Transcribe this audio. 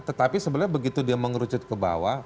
tetapi sebenarnya begitu dia mengerucut ke bawah